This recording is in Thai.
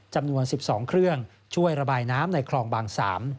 จำนวน๑๒เครื่องช่วยระบายน้ำในคลองบาง๓